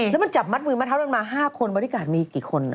แล้วมันจับมัดมือมัดเท้านั้นมา๕คนบริการ์ดมีกี่คน